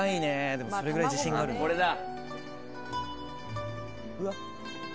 でもそれぐらい自信があるんだろうね。